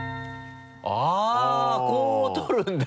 あぁこう撮るんだ。